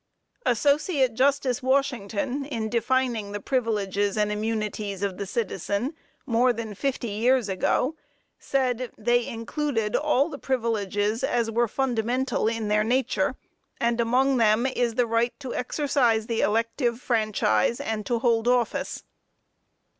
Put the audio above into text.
Associate Justice Washington, in defining the privileges and immunities of the citizen, more than fifty years ago, said: "they included all such privileges as were fundamental in their nature. And among them is the right to exercise the elective franchise, and to hold office."